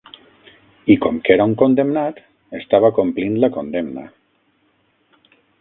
I com que era un condemnat, estava complint la condemna.